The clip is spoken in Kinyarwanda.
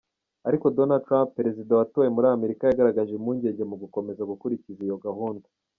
Ariko Donald Trump, Perezida watowe muri Amerika, yagaragaje impungenge mu gukomeza gukurikiza iyo gahunda.